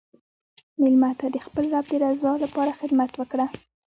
مېلمه ته د خپل رب د رضا لپاره خدمت وکړه.